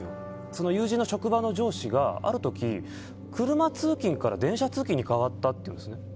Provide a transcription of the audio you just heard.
その友人の職場の上司がある時車通勤から電車通勤に変わったというんですね。